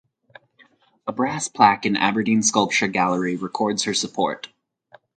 A brass plaque in Aberdeen Sculpture Gallery records her support.